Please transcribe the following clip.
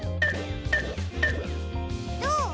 どう？